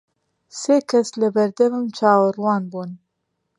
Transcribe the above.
سێ کەس لە بەردەمم چاوەڕوان بوون.